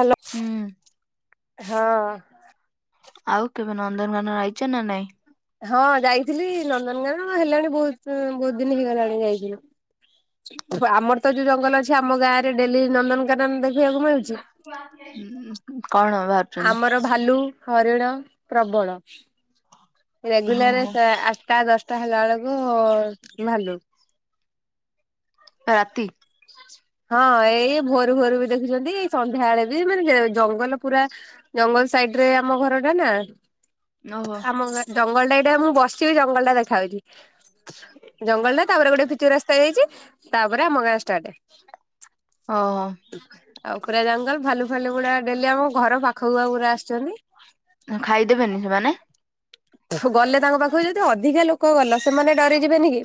Hello ହୁଁ ହଁ। ଆଉ କେବେ ନନ୍ଦନକାନନ ଆଇଛ ନା ନାଇଁ? ହଁ ଯାଇଥିଲି ନନ୍ଦନକାନନ ହେଲାଣି ବହୁତ ବହୁତ ଦିନ ହେଇଗଲାଣି ଯାଇଥିଲୁ। ଆମର ତ ଉ ଜଙ୍ଗଲ ଅଛି ଆମ ଗାଁରେ ଡେଲି ନନ୍ଦନକାନନ ଦେଖ କଣ? ବାହାରୁଛନ୍ତି ଆମର ଭାଲୁ। ହରିଣ ପ୍ରବଳ। ରେଗୁଲାର୍ ଓହୋ ଆ ତା ଦଶଟା ହେଲା ବେଳକୁ ଭାଲୁ। ରାତି। ହଁ ଏଇ ଭୋରୁ ଭୋରୁ ବି ଦେଖୁଛନ୍ତି ଏଇ ସନ୍ଧ୍ୟାବେଳେ ବି ମାନେ ଜଙ୍ଗଲ ପୁରା ଜଙ୍ଗଲ ସାଇଡ ରେ ଆମ ଘର ଟା ନା ଓହୋ ଆମ ଘରେ ଜଙ୍ଗଲ ଟା ଏଇଟା ମୁଁ ବସିବି ଜଙ୍ଗଲ ଟା ଦେଖାଯାଉଛି ଜଙ୍ଗଲ ଟା ତାପରେ ଗୋଟେ ପିଚୁ ରାସ୍ତା ହେଇଯାଇଛି ତାପରେ ଆମ ଗାଁ ଷ୍ଟାର୍ଟ। [inaudible] ଓହୋ ଆଉ ପୁରା ଜଙ୍ଗଲ ଭାଲୁ ଫାଲୁ ଗୁଡା ଡେଲି ଆମ ଘର ପାଖକୁ ଆ ପୁରା ଆସୁଛନ୍ତି। ଖାଇଦେବେନି ସେମାନେ? ଗଲେ ତାଙ୍କ ପାଖକୁ ଯଦି ଅଧିକା ଲୋକ ଗଲା ସେମାନେ ଡରି ଯିବେନି କି?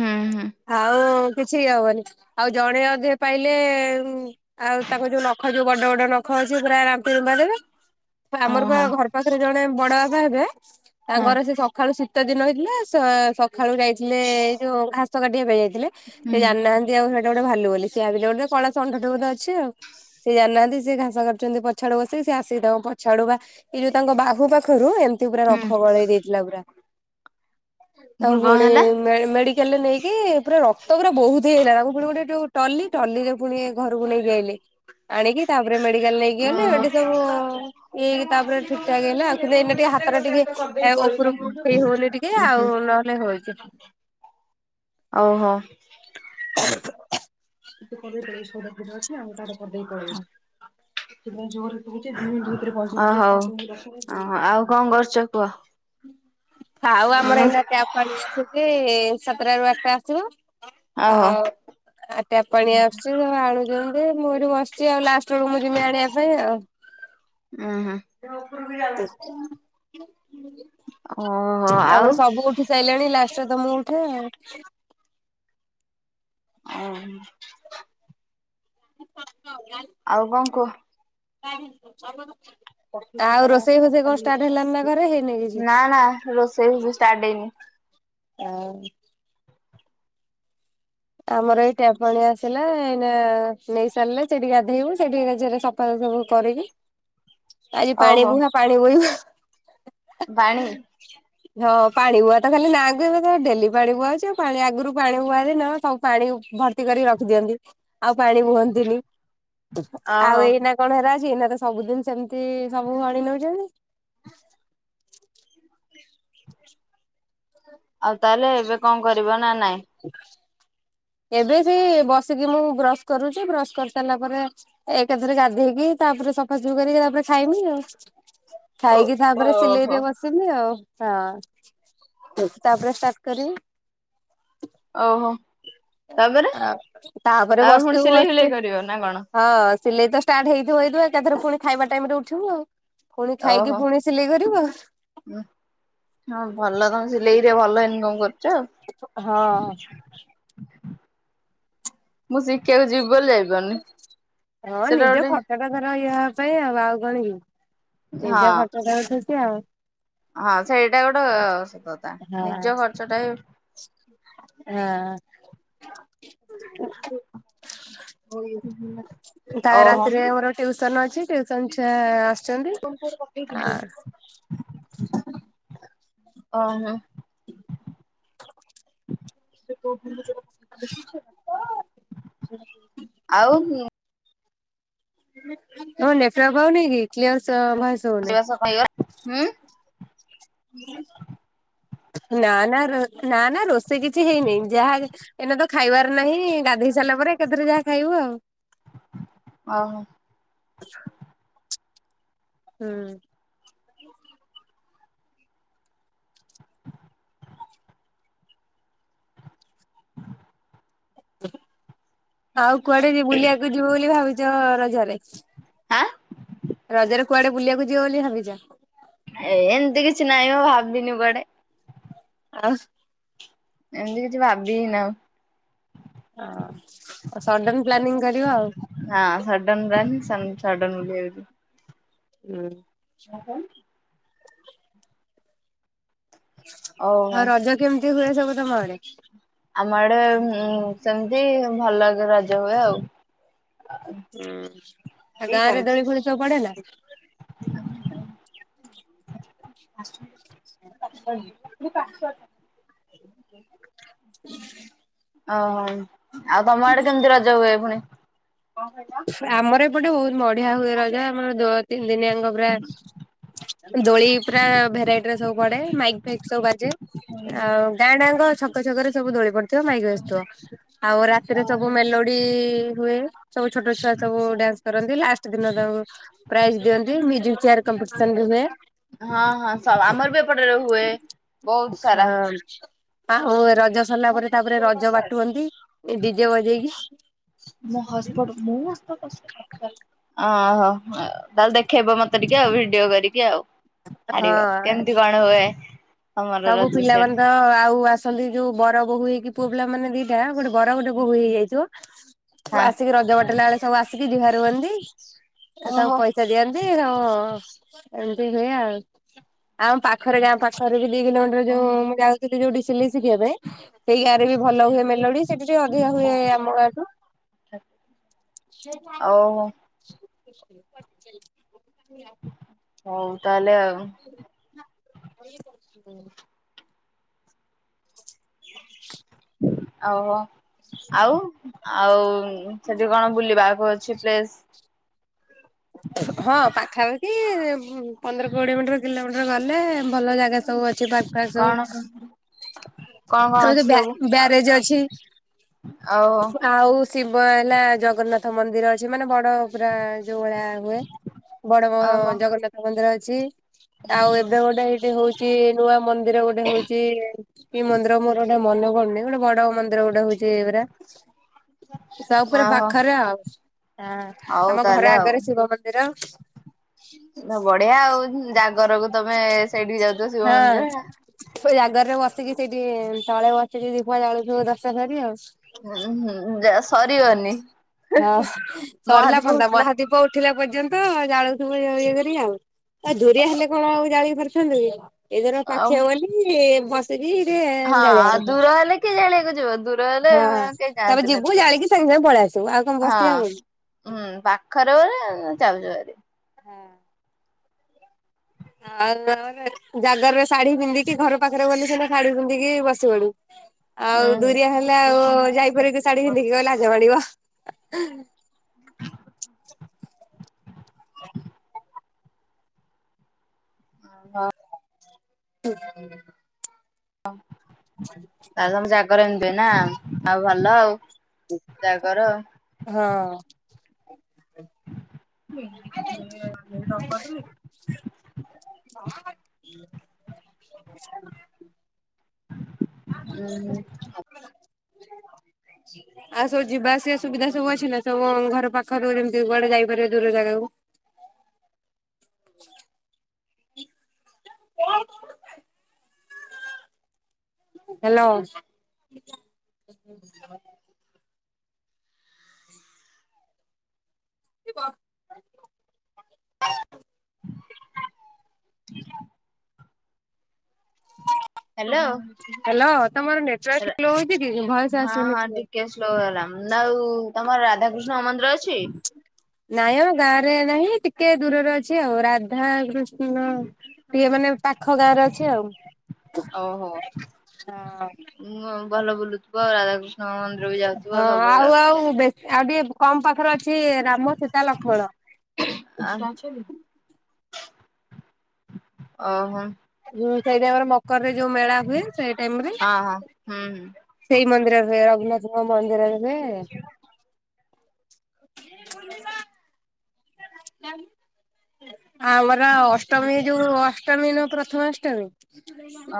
ହୁଁ ହୁଁ ଆଉ କିଛି ହବନି ଆଉ ଜଣେ ଅଧେ ପାଇଲେ ଆଉ ତାଙ୍କ ଯୋଉ ନଖ ଯୋଉ ବଡ ବଡ ନଖ ଅଛି ପୁରା ସେ ରାମ୍ପି ରୁମ୍ପା ଦେବେ। ଆମର ବା ଓହୋ ଘର ପାଖରେ ଜଣେ ବଡ ବାବା ହେବେ ତା ହଁ ହୁଁ ଘରେ ସେ ସକାଳୁ ଶ ଶୀତ ଦିନ ହେଇଥିଲା ସକାଳୁ ଯାଇଥିଲେ ଏଇ ଯୋଉ ଘାସ କାଟିବା ପାଇଁ ଯାଇ ଥିଲେ ସେ ଜାଣିନାହାନ୍ତି ଆଉ ସେ ଗୋଟେ ଭାଲୁ ବୋଲି ସିଏ ଭାବିଲେ ଗୋଟେ ଶଳା ଶଣ୍ଢ ଟେ ବୋଧେ ଅଛି ଆଉ ସିଏ ଜାଣିନାହାନ୍ତି ସେ ଘାସ କାଟୁଛନ୍ତି ପଛ ଆଡ଼େ ବସିକି ସେ ଆସିକି ତାଙ୍କ ପଛଆଡୁ ବା ଏଇ ଯୋଉ ତାଙ୍କ ବାହୁ ପାଖରୁ ଏମିତି ପୁରା ହୁଁ ଖବଳେଇ ଦେଇଥିଲା ପୁରା। ଆ କଣ ପୁଣି ହେଲା? ମେଡିକାଲ ରେ ନେଇକି ପୁରା ରଖ ତ ପୁରା ବହୁତ ହେଇଗଲା ତା ପୁଣି ଗୋଟେ ଯୋଉ ଟଲି ଟଲିରେ ପୁଣି ଘରକୁ ନେଇକି ଆଇଲେ ଆଣିକି ତାପରେ ମେଡିକାଲ ନେଇକି ଗଲେ ଓହୋ ଉଁ ଏଠି ସବୁ ଇଏ ହେଇକି ତାପରେ ଠିକ୍ ଠାକ୍ ହେଲା ଆଉ କିନ୍ତୁ ଏଇନା ଟିକେ ହାତଟା ଟିକେ ଏ ଉପରକୁ ଉଠେଇ ହଉନି ଟିକେ ଆଉ ହୁଁ ନହେଲେ ହଉଛି। ଓହୋ ଆଉ କଣ କରୁଛ କୁହ? ଆଉ ଉଁ ଆମର ଏଇନା ଟ୍ୟାପ୍ ପାଣି ଆସୁଛି। ସାତ ଠାରୁ ଆଠଟା ଆସିଥିବ। ଓହୋ ଆଉ ଆ ଟ୍ୟାପ ପାଣି ଆସୁଛି, ଆଣୁଛି । ଯେ ମୁଁ ଏଇଠି ବସିଛି ଆଉ ଲାଷ୍ଟ ବେଳକୁ ମୁଁ ଜିମି ଆଣିବା ପାଇଁ ଆଉ ହଁ ହଁ [inaudible] [unintelligible] ଓହୋ ଆଉ ଆମର ସବୁ ଉଠି ସାଇଲେଣି ଲାଷ୍ଟରେ ତ ମୁଁ [unintelligible] ଓହୋ ଆଉ କଣ କୁହ? [unintelligible] ଆଉ ନା ରୋଷେଇ ଫୋଷେଇ କଣ ଷ୍ଟାର୍ଟ ନା ହେଲାଣି ନା ଘରେ ହେଇନି କିଛି? ରୋଷେଇ ଫୋସେଇ ଷ୍ଟାର୍ଟ ଆଉ ହେଇନି। ଆମର ଏଇ ଟ୍ୟାପ୍ ପାଣି ଆସିଲା ଏଇନା ନେଇ ସାରିଲେ ସେଠି ଗାଧେଇବୁ ସେଠି ସେଠିରେ ସଫା ସବୁ କରିକି ଆଜି ପାଣି ଓହୋ ବୁହା ପାଣି ବୋହିବୁ। ପାଣି [inaudible] ହଁ ପାଣି ବୁହା ତ ଖାଲି ନା ଏବେ ଡେଲି ପାଣି ବୁହା ହଉଛି ଆଉ ପାଣି ଆଗରୁ ପାଣି ବୁହା ଦିନ । ସବୁ ପାଣି ଭର୍ତ୍ତି କରିକି ରଖିଦିଅନ୍ତି ଆଉ । ପାଣି ବୁହନ୍ତିନି ଓହୋ ଆଉ ଏଇ ନା କଣ ହେରା ଏଇ ନା ତ ସବୁଦିନ ସେମିତି ସବୁ ପାଣି ନେଉଛନ୍ତି । ଆଉ ତାହେଲେ ଏବେ କଣ କରିବ ନା ନାଇଁ? ଏବେ ସେ ବସିକି ମୁଁ ବ୍ରଶ କରୁଛି ବ୍ରଶ କରିସାରିଲା ପରେ ଏକାଥରେ ଗାଧୋଇ ହେଇକି ତାପରେ ସଫାସୁଫି କରିକି ତାପରେ ଖାଇମି ଆଉ । ଓ ଖାଇକି ତାପରେ ଓହୋ ସିଲେଇରେ ବସିଲି ଆଉ । ହଁ ତାପରେ ଷ୍ଟାଟ। କରେଇ । ଓହୋ ତାପରେ ଆ ତାପରେ ପୁଣି ବସ୍ତିବୁ ସିଲେଇ ଫିଲେଇ ବସ୍ତିବୁ କରିବ ନା କଣ? ହଁ । ସିଲେଇ ତ ଷ୍ଟାର୍ଟ ହେଇଥିବ ହେଇଥିବ ଏକାଥରେ ପୁଣି ଖାଇବା ଟାଇମ ରେ ଉଠିବୁ ଆଉ । ଓହୋ ହଁ ଭଲ ତମେ ସିଲେଇରେ ଭଲ ଇନକମ କରୁଛ ଆଉ ହଁ । ମୁଁ ଶିଖିବାକୁ ଯିବି । ହଁ ନିଜ ଗୋଟେ ଖଟଟା ଧର ଏଇହେବା ପାଇଁ ଆଉ ଆଉ । କଣ କି? ନିଜ ହଁ ଖର୍ଚ୍ଚ ତ ଉଠୁ [inaudible] ହଁ ସେଇଟା ଗୋଟେ ସତକଥା ହଁ ନିଜ ଖର୍ଚ୍ଚଟା ବି ହଁ। [inaudible] କାଲି ରାତିରେ ମୋର ଓହୋ ଟ୍ୟୁସନ ଅଛି । କିଛି ଟେନସନ ଚୁଆ ତୁମକୁ ଗୋଟେ ପଠେଇଥିଲି ଓ ହୋ । ତତେ କହୁଥିଲି ଯାହା ଦେଖିଛୁ । ଆଉ । ହୁଁ। ତମ ନେଟୱାର୍କ ପାଉନିକି? କିର୍ଲସ ଭଏସ ହଉନି ରୋଷେଇବାସ । କଣ ହେଇଗଲା? ହୁଁ। [inaudible] ନା ନା ନା ନା ରୋଷେଇ କିଛି ହେଇନିଁ ଯାହା ଏଇନା ତ ଖାଇବାର ନାହିଁ। ଗାଧେଇ ସାରିଲା ପରେ ଏକାଥରେ ଯାହା ଖାଇବୁ ଆଉ । ଓହୋ। [unintelligible] ହୁଁ । [inaudible] [inaudible] [inaudible] ଆଉ କୁଆଡେ ଯିବ ବୁଲିବାକୁ ଯିବ ବୋଲି ଭାବିଛ । ଜ ରଜରେ ହାଁ ରଜର କୁଆଡେ ବୁଲିବାକୁ ଯିବ ବୋଲି ଭାବିଛ? ଏ ଏମିତି କିଛି ନାହିଁମ ଭାବିନି କୁଆଡେ? ଆଉ ଏମତି କିଛି ଭାବି ନାହୁଁ। ହଁ ସଡନ ପ୍ଲାନିଂ କରିବା ଆଉ [inaudible] ସଡ଼ନଲି ହୁଁ। କ କଣ? ଓହୋ ଆଉ ରଜ କେମିତି ହୁଏ ସବୁ? ତମ ଆଡେ। ଆମ ଆଡେ ସେମତି ଭଲ ଲାଗେ ରଜ ହୁଏ ଆଉ [inaudible] ହୁଁ ଆଉ ଗାଁ ରେ ଦୋଳି ଫୋଳି ସବୁ ପଡେ ନା । ଉଁ ହୁଁ। [inaudible] ପାସୱାର୍ଡ ଟା ପାସ୍ ୱାର୍ଡ ଟା। [inaudible] ଓ ହଉ। ଆଉ ତମ ଆଡେ କେମିତି ରଜ ହୁଏ ପୁଣି? ଆମର ଏପଟେ ବହୁତ ବଢିଆ ହୁଏ ରଜ। ଆମର ଦୋ ତିନି ଦିନିଆଙ୍କ ପୁରା ଦୋଳି ପୁରା ଭେରାଇଟିର ସବୁ ପଡେ । ମାଇକ ଫାଇକ ସବୁ ବାଜେ। ଆଉ ଗାଁଆ ଡାଙ୍କ ଛକ ଛକ ରେ ସବୁ ଦୋଳି ପଡିଥା ସବୁ ମାଇକି ଆସିଥିବ। ଆଉ ରାତିରେ ହଁ ସବୁ ମେଲୋଡି ହୁଏ। ସବୁ ଛୋଟ ଛୁଆ ସବୁ ଡ୍ୟାନ୍ସ କରନ୍ତି ।ଲାଷ୍ଟ ଦିନ ତାଙ୍କୁ ପ୍ରାଇଜ ଦିଅନ୍ତି। ମ୍ୟୁଜିକ ଚେୟାର କମ୍ପିଟସନ ହୁଏ । ହଁ ହଁ ସ ଆମର ବି ଏପଟରେ ହୁଏ । ବହୁତ ସାରା ହଁ ହୁଏ ରଜ। ରଜ ସରିଲା ପରେ ଓହୋ ତାପରେ ରଜ ବାଟୁଅନ୍ତି ଡିଜେ ବଜେଇକି ମୋ ହସ୍‌ପଟ ମୁଁ ହସ୍ ପଟ ଆହା। ହଁ ତାହେଲେ ଦେଖେଇବ ମତେ । କରିକି ଆଉ ଭିଡିଓ କରିକି ଆଉ । ହାରିବ ହଁ କେମିତି କଣ ହୁଏ? ତମର ସବୁ ରଜ ସିଆଡେ ପିଲାମାନେେ ତ ଆଉ ଆସନ୍ତି। ଯୋଉ ବର ବୋହୂ ହେଇକି ପୁଅ ପିଲାମାନେ ବି ଏହା ଭୁଲ୍। ବରଗୋଟେ ବୋହୂକୁ ହେଇ ଆଇଥିବ, ହଁ। ଆସିକି ରଜ ବାଟଣା ବେଳେ ସବୁ ଆସିକି ଜୁହାର ହୁଅନ୍ତି, ସବୁ ଓହୋ ପଇସା ଦିଅନ୍ତି ହ ଏମତି ହୁଏ ଆଉ ଆମ ପାଖରେ ଗାଁ ପାଖ ଦି କିଲୋମିଟର ଓ। ଯୋଉ ମୁଁ ଯାଉଥିଲି ଯୋଉଠି ସିଲେଇ ଶିଖିବା ପାଇଁ ।ସେଇ ଗାଁ ରେ ବି ଭଲ ହୁଏ ମେଲୋଡି ସେଠି ଟିକେ ଅଧିକା ହୁଏ ଆମ ଗାଁଠୁ। [inaudible] ଓହୋ ହଉ। ତାହଲେ ଆଉ। ହୁଁ। ହ [inaudible] ଆଉ ହୋ। ଆଉ ଆଉ ସେଠି କଣ ବୁଲିବାକୁ ଅ ଛି ପ୍ଲେସ୍। ହଁ ପାଖାପାଖି ପନ୍ଦର କୋଡିଏ ମିଟର କିଲୋମିଟର ଗଲେ ଭଲ ଜାଗା। ସବୁ ଅଛି ପାର୍କ ଫର୍କ ସବୁ କଣ କଣ କଣ ଆଉ ଵ୍ୟା ଅଛି ସବୁ? ବ୍ୟାରେଜ ଅଛି। ଆଉ ଆଉ ଶିବ ହେଲା ଜଗନ୍ନାଥ। ତ ମନ୍ଦିର ଅଛି ମାନେ ବଡ ପୁରା ଯୋଉଁ ଭଳିଆ ହୁଏ ବଡ଼ ବ ଓହୋ ଜଗନ୍ନାଥ ମନ୍ଦିର। ଛି। ଆଉ ଏବେ ଗୋଟେ ଏଇଠି ହଉଛି। କି ନୂଆ ମନ୍ଦି ମନ୍ଦିର ଗୋଟେ ହଉଛି କି ମନ୍ଦିର ମୋର ମନେପଡୁନି ଗୋଟେ ବଡ଼ ମ ନ୍ଦିର ଗୋଟେ ହଉଛି ପୁରା ସବୁ ପୁରା ଓହୋ ପାଖରେ ଆଉ ହଉ ଆମ ଘର ଆ ଗାଁରେ ଶିବ ମନ୍ଦିର। ନା ବଢ଼ିଆ ଆଉ ଜାଗରକୁ ତମେ ସେଇଠିକି ଯାଉଥିବ ଶିବ ହଁ। ମନ୍ଦିର। ସେ ଜାଗର ରେ ବସିକି ସେଇଠି ତଳେ ବସିକି ଦୀପ ଜାଲୁଥିବୁ ଦଶଟା ସାରିଆଉ। ହଁ ହୁ ଯା ସରିବନି। ହଁ ସରିଲା ମହାଦୀପ ପନ୍ତା ଉଠିଲା ମହାଦୀପ ଉଠିଲା ପର୍ଯ୍ୟନ୍ତ ଜାଳୁଥିବୁ ଇଏ କରି ଆଉ। ଆ ଦୁରିଆ ହେଲେ କଣ ଆଉ ଜାଲିପା [unintelligible] ଏଧର ଆଉ ପାଖିଆ ବୋଲି ବ ହଁ ଦୂର ହେଲେ କିଏ ଜାଲିବାକୁ ଯିବ ଦୂର ଦୂର ହଁ। ହେଲେ କେହି ତାପରେ ଯାନ୍ତିନି ଯିବୁ ଜାଳିକି ସାଙ୍ଗେ ସାଙ୍ଗେ ପଳେଇ ଆସିବୁ ଆଉ କଣ ବସି ହଁଁ ହବ କି? ହୁଁ ପାଖରେ ବୋଲି ଚଯାଉଛ। ସରି। [unintelligible] ଜାଗର ରେ ଶାଢୀ ପିନ୍ଧିକି ଘର ପାଖରେ ବୋଲି ସିନା ଶାଢୀ ପିନ୍ଧିକି ବସିିପଡୁ। ହୁଁ ଆଉ ହୁଁ ଦୁରିଆ ହେଲେ ଆଉ ଯାଇପରିବୁକି ଶାଢୀ ପିନ୍ଧିକି ଗଲେ ଲାଜ ମାଡିବ। [unintelligible] [unintelligible] [unintelligible] [unintelligible] ତାହେଲେ ତମ ଜାଗର ଏମତି ନା ଆଉ ଭଲ ଆଉ। ଜାଗର ହଁ। [unintelligible] [unintelligible] [inaudible] ଉଁ ଆଉ ସବୁ ଯିବା ଆସିବା ସୁବିଧା ସବୁ ଅଛି ନା? ସବୁ ଘର ପାଖରୁ ଯେମିତି କୁଆଡେ ଯାଇପାରିବ ଦୂର ଜାଗାକୁ। [inaudible] ହ୍ୟାଲୋ। [unintelligible] ହ୍ୟାଲୋ ହ୍ୟାଲୋ ତମର ନେଟୱାର୍କ ରା ସ୍ଲୋ ହଉଛି କି ଭଏସ ହଁ ଆସୁନି ହଁ କ୍ଲିୟର। ଟିକେ ସ୍ଲୋ ହେଲା ଆଉ ତମର ରାଧାକୃଷ୍ଣ ମନ୍ଦିର ଅଛି? ନାଇଁ ମ ଗାଁରେ ନାହିଁ ଟିକେ ଦୂରରେ ଅଛି ଆଉ, ରାଧା କୃଷ୍ଣ ଇଏ ମାନେ ପାଖ ଗାଁରେ ଅଛି ଆଉ। ଓହୋ ଉଁ ଭଲ ବୁଲୁଥିବ ଆଉ ରାଧା ତମେ ମନ୍ଦିର କୁ ହଁ ଯାଉଥିବ ଆଉ ସବୁବେଳେ। ଆଉ ବେଶୀ ଆଉ ଟିକେ କମ ପାଖରେ ଅଛି ରାମ ସୀତା ଲକ୍ଷ୍ମଣ। ଆ ଓହୋ। ହୁଁ ସେଇ ଟାଇମର ମକରରେ ଯୋଉ ମେଳା ହୁଏ, ସେଇ ଟାଇମରେ, ହଁ ହୁଁ ହୁଁ ସେଇ ମନ୍ଦିର ସେ ରଘୁନାଥଙ୍କ ମନ୍ଦିରରେ ହୁଁ। [inaudible] [inaudible] ଆମର ଅଷ୍ଟମୀ ଯୋଉ ଅଷ୍ଟମୀ ନୁଅ ପ୍ରଥମା ଅଷ୍ଟମୀ।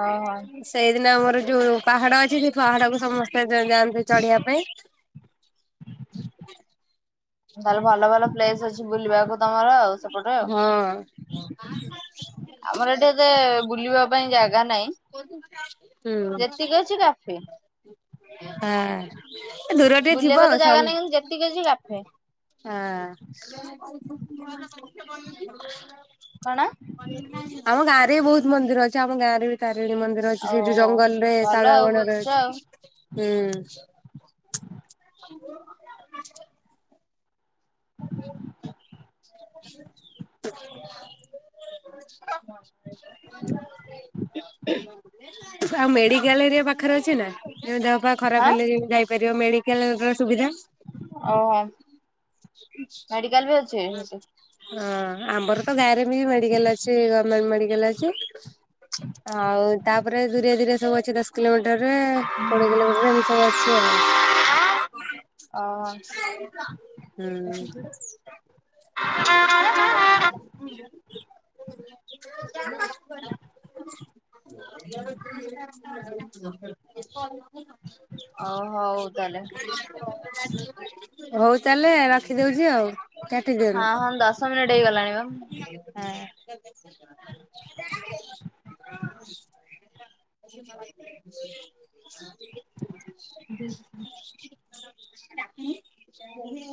ଓହୋ। ସେଇଦିନ ଆମର ଯୋଉ ପାହାଡ ଅଛି ସେଇ ପାହାଡକୁୁ ସମସ୍ତେ ଯାଆନ୍ତି ଚଢିବା ପାଇଁ। ତାହେଲେ ଭଲ ଭଲ ପ୍ଲେସ ଅଛି ବୁଲିବାକୁ ତମର ଆଉ ସେପଟେ ଆଉ ହଁ । ଆମର ଏଠି ଏତେ ବୁଲିବା ପାଇଁ ଜାଗା ନାହିଁ, ଯେତିକି ଅଛି କାଫି। ହଁ। ଦୂର ଟିକେ ଥିବ ବୁଲିବାକୁ ତ ଜାଗା ସବୁ ନାହିଁ, କିନ୍ତୁ ଯେତିକି ଅଛି କାଫେ। ହଁ। କଣ [inaudible] ଆମ ଗାଁ ବି ବହୁତ ମନ୍ଦିର ଅଛି ଆମ ଗାଁରେ ବି ବିଡି ମନ୍ଦିର ଅଛି ସେଇଠି ଓହୋ। ଜଙ୍ଗଲରେ ଭଲ ଆଉ ଶାଳୁଆବଣରେ ବୁଲୁଛ ଆଉ ଅଛି। ହୁଁ [inaudible] [inaudible] [inaudible] ଆଉ ମେଡିକାଲ ଏରିଆ ପାଖରେ ଅଛି ନା? ଯୋଉ ଦେହ ଖରାପ ହାଁ ହେଲେ ଯାଇପାରିବ ମେଡିକ କେଲେ କେତେବେଳେ ସୁବିଧା ଅହ ମେଡିକାଲ ବି ଅଛି ସେଠି ହଁ ଆମର ତ ଗାଁରେ ବି ମେଡିକାଲ ଅଛି ଗମେଣ୍ଟ ମେଡି କାଲ ଅଛି ଆଉ ତାପରେ ଧୀରେ ଧୀରେ ସବୁ ଅଛି ଦଶକିଲୋମି ଟରେ କୋଡିଏ କିଲୋମିଟରରେ ଏମିତି ସବୁ ଅଛି ଆଉ ଓହୋ। ହୁଁ [inaudible] [inaudible] ଓ ହଉ ତାହେଲେ ହଉ ତାଏଲେ ରଖିଦଉଚି ଆଉ କାଟି ହଁ ଦିଅନ୍ତୁ। ହଁ ଦଶ ମିନିଟ ହେଇଗଲାଣି ବା [inaudible] ଯେ ସେ [inaudible]